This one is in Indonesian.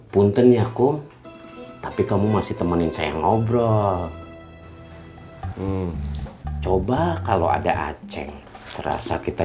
punten yakum tapi kamu masih temenin saya ngobrol coba kalau ada aceh serasa kita